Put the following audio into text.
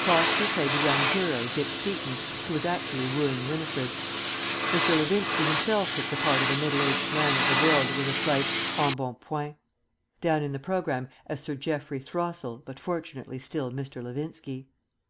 Prosper played the young hero, Dick Seaton, who was actually wooing Winifred. Mr. Levinski himself took the part of a middle aged man of the world with a slight embonpoint; down in the programme as Sir Geoffrey Throssell but fortunately still Mr. Levinski.